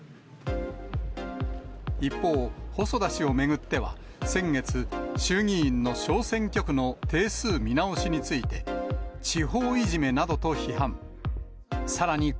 一方、細田氏を巡っては、先月、衆議院の小選挙区の定数見直しについて、地方いじめなどと批判。